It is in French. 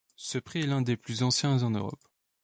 Ce prix est l'un des plus anciens en Europe.